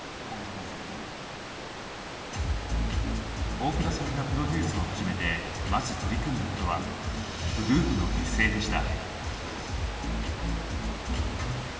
大倉さんがプロデュースを始めてまず取り組んだことはグループの結成でした。